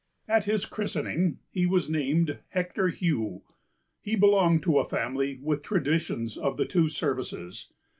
At his christening he was named Hector Hugh. He belonged to a family with traditions of the two services.